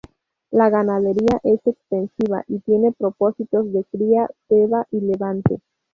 La ganadería es extensiva y tiene propósitos de cría, ceba y levante.